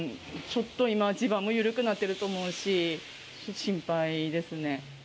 ちょっと今、地盤も緩くなってると思うし、心配ですね。